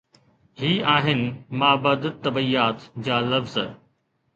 هي آهن مابعد الطبعيات جا لفظ.